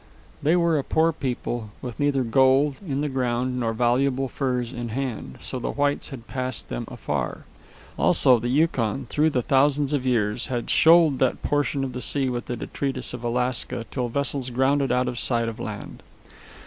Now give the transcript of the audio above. They were a poor people, with neither gold in the ground nor valuable furs in hand, so the whites had passed them afar. Also, the Yukon, through the thousands of years, had shoaled that portion of the sea with the detritus of Alaska till vessels grounded out of sight of land.